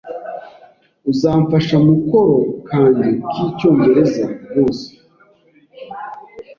"Uzamfasha mukoro kanjye k'icyongereza?" "Rwose."